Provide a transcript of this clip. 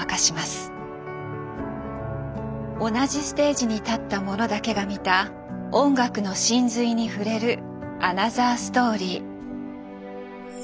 同じステージに立った者だけが見た音楽の神髄に触れるアナザーストーリー。